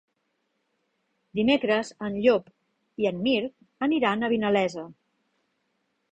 Dimecres en Llop i en Mirt aniran a Vinalesa.